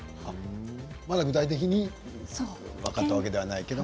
まだ具体的に分かったわけではないけれど。